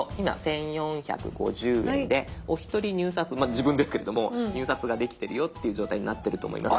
自分ですけれども入札ができてるよっていう状態になってると思います。